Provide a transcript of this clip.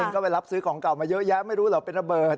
ก็ไปรับซื้อของเก่ามาเยอะแยะไม่รู้เหรอเป็นระเบิด